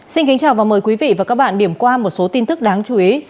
xin kính chào và mời quý vị và các bạn điểm qua một số tin tức đáng chú ý